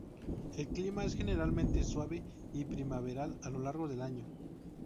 El clima es generalmente suave y primaveral a lo largo del año.